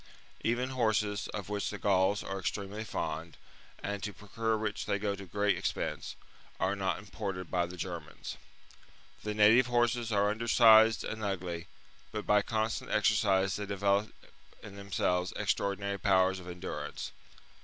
Even horses, of which the Gauls are extremely fond, and to procure which they go to great expense, are not imported by the Germans. The native horses are undersized and ugly, but by constant exercise they develop in them extra ordinary powers of endurance.